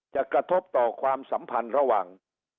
กระทบต่อความสัมพันธ์ระหว่าง